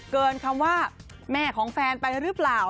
เกินคำว่าแม่ของแฟนไปหรือเปล่า